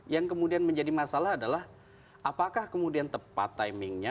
yang kemudian menjadi masalah adalah apakah kemudian tepat timingnya